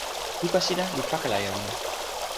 luka sina li pakala e ona.